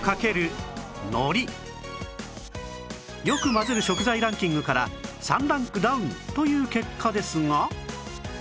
よく混ぜる食材ランキングから３ランクダウンという結果ですが